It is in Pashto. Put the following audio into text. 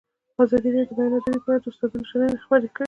ازادي راډیو د د بیان آزادي په اړه د استادانو شننې خپرې کړي.